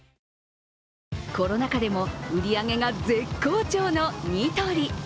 コロナ禍でも売り上げが絶好調のニトリ。